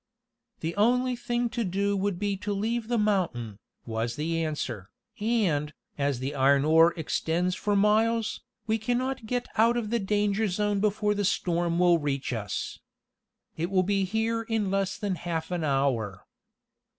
"The only thing to do would be to leave the mountain," was the answer, "and, as the iron ore extends for miles, we can not get out of the danger zone before the storm will reach us. It will be here in less than half an hour."